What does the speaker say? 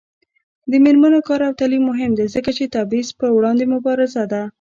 د میرمنو کار او تعلیم مهم دی ځکه چې تبعیض پر وړاندې مبارزه ده.